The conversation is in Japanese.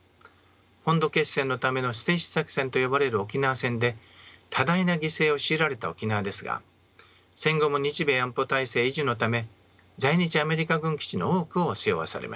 本土決戦のための捨て石作戦と呼ばれる沖縄戦で多大な犠牲を強いられた沖縄ですが戦後も日米安保体制維持のため在日アメリカ軍基地の多くを背負わされました。